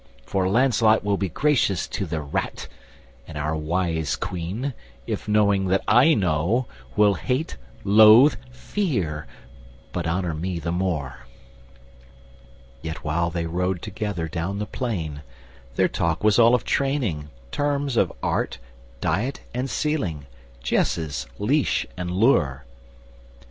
For Lancelot will be gracious to the rat, And our wise Queen, if knowing that I know, Will hate, loathe, fear—but honour me the more." Yet while they rode together down the plain, Their talk was all of training, terms of art, Diet and seeling, jesses, leash and lure.